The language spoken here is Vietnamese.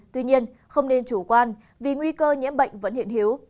tuy nhiên không nên chủ quan vì nguy cơ nhiễm bệnh vẫn hiện hiếu